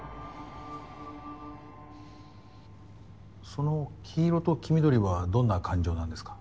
その黄色と黄緑はどんな感情なんですか？